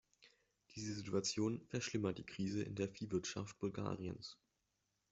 Diese Situation verschlimmert die Krise in der Viehwirtschaft Bulgariens.